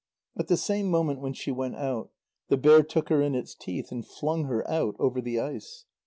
At the same moment when she went out, the bear took her in its teeth and flung her out over the ice.